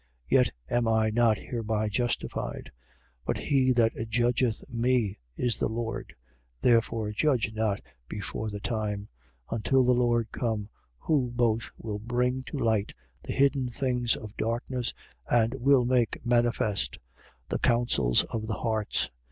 Yet am I not hereby justified: but he that judgeth me is the Lord. 4:5. Therefore, judge not before the time: until the Lord come, who both will bring to light the hidden things of darkness and will make manifest the counsels of the hearts.